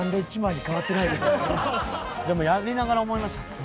でもやりながら思いました。